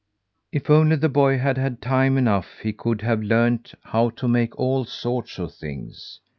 If only the boy had had time enough he could have learned how to make all sorts of things.